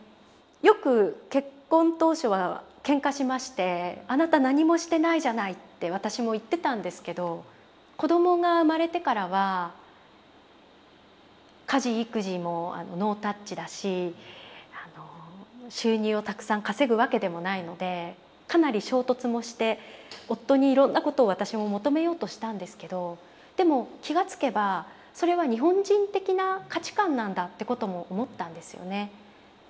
よく結婚当初はけんかしまして「あなた何もしてないじゃない」って私も言ってたんですけど子供が生まれてからは家事育児もノータッチだし収入をたくさん稼ぐわけでもないのでかなり衝突もして夫にいろんなことを私も求めようとしたんですけどでも気が付けばそれは日本人的な価値観なんだということも思ったんですよね。